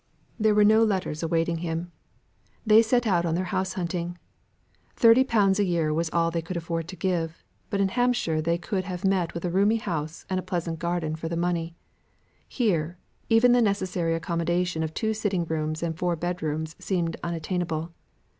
There were no letters awaiting him. They set out on their house hunting. Thirty pounds a year was all they could afford to give, but in Hampshire they could have met with a roomy house and pleasant garden for the money. Here, even the necessary accommodation of two sitting rooms and four bed rooms seemed unattainable.